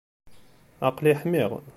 Aql-i ḥmiɣ.